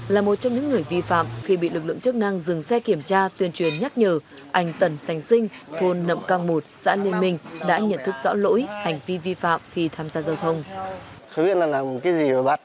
là một trong những người vi phạm khi bị lực lượng chức năng dừng xe kiểm tra tuyên truyền nhắc nhở anh tần sành sinh thôn nậm căng một xã liên minh đã nhận thức rõ lỗi hành vi vi phạm khi tham gia giao thông